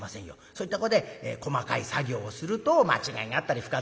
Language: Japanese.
そういうとこで細かい作業をすると間違いがあったり深爪をしたりする。